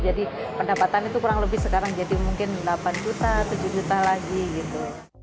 jadi pendapatan itu kurang lebih sekarang jadi mungkin delapan juta tujuh juta lagi gitu